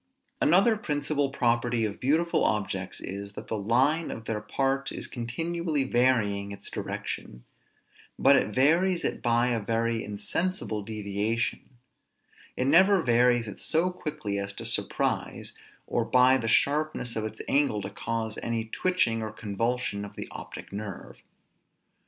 Another principal property of beautiful objects is, that the line of their parts is continually varying its direction; but it varies it by a very insensible deviation; it never varies it so quickly as to surprise, or by the sharpness of its angle to cause any twitching or convulsion of the optic nerve.